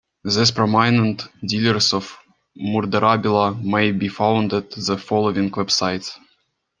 These prominent dealers of murderabilia may be found at the following websites.